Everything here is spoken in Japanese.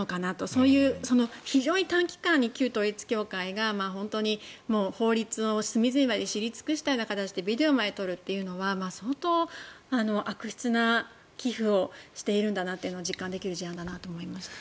そういう非常に短期間に旧統一教会が本当に法律を隅々まで知り尽くしたような形でビデオまで撮るっていうのは相当、悪質な寄付をしているんだなというのが実感できる事案だと思いました。